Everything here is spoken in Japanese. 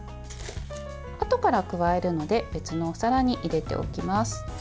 あとから加えるので別のお皿に入れておきます。